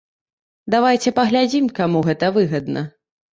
Давайце паглядзім, каму гэта выгадна.